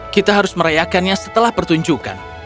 kita harus merayakannya setelah pertunjukan